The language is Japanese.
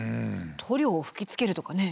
塗料を吹きつけるとかね。